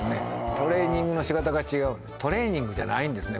トレーニングのしかたが違うトレーニングじゃないんですね